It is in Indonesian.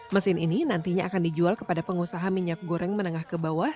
mesin ini nantinya akan dijual kepada pengusaha minyak goreng menengah ke bawah